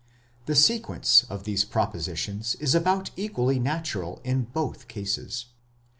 The sequence of these propositions is about equally natural in both cases.